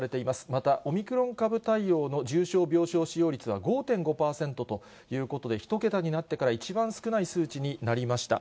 またオミクロン株対応の重症病床使用率は５．５％ということで、１桁になってから一番少ない数値になりました。